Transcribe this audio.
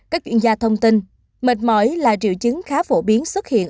các chuyên gia thông tin mệt mỏi là triệu chứng khá phổ biến xuất hiện